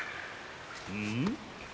うん？